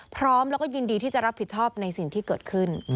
พร้อมแล้วก็ยินดีที่จะรับผิดชอบในสิ่งที่เกิดขึ้น